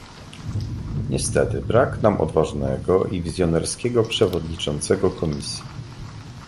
Niestety, brak nam odważnego i wizjonerskiego przewodniczącego Komisji